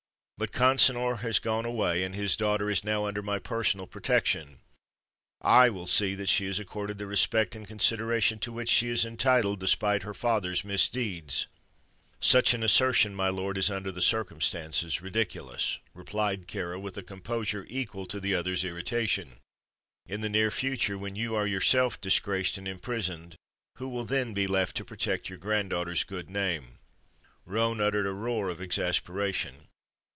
But Consinor has gone away, and his daughter is now under my personal protection. I will see that she is accorded the respect and consideration to which she is entitled, despite her father's misdeeds." "Such an assertion, my lord, is, under the circumstances, ridiculous," replied Kāra, with a composure equal to the other's irritation. "In the near future, when you are yourself disgraced and imprisoned, who will then be left to protect your granddaughter's good name?" Roane uttered a roar of exasperation.